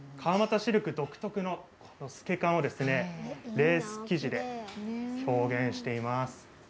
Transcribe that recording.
シルク独特の透け感レース生地で表現しています。